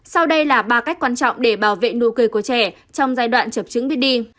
sau đây là ba cách quan trọng để bảo vệ nụ cười của trẻ trong giai đoạn chập chứng bí đi